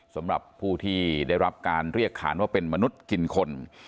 สำหรับผู้ที่ได้รับการเรียกขานว่าเป็นมนุษย์กินคน